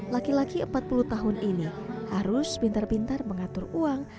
laki laki empat puluh tahun ini harus pintar pintar mengatur uang